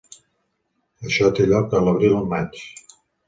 Això té lloc a l'abril-maig.